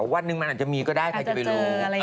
วันหนึ่งมันอาจจะมีก็ได้ใครจะไปรู้